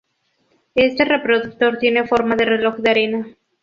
Este reproductor tiene forma de reloj de arena.